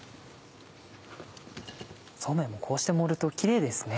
そうめんもこうして盛るとキレイですね。